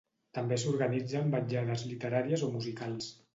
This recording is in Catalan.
També s'organitzen vetllades literàries o musicals.